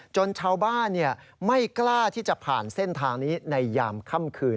ชาวบ้านไม่กล้าที่จะผ่านเส้นทางนี้ในยามค่ำคืน